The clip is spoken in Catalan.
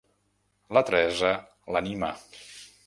La Teresa l'anima.